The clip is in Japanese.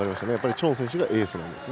チョン選手がエースなんですね。